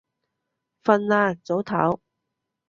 瞓啦，早唞